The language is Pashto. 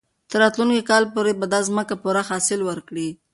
تر راتلونکي کال پورې به دا ځمکه پوره حاصل ورکړي.